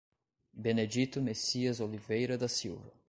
Benedito Messias Oliveira da Silva